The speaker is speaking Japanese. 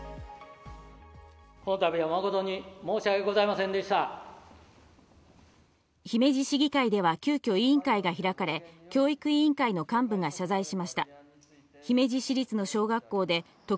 このたびは誠に申しわけござ姫路市議会では今日急きょ、委員会が開かれ、教育委員会の幹部らが謝罪しました。